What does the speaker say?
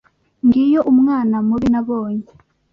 Ngiyo umwana mubi nabonye.